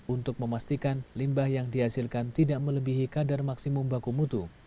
untuk memastikan limbah yang dihasilkan tidak melebihi kadar maksimum baku mutu